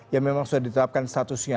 yang memang sudah ditetapkan statusnya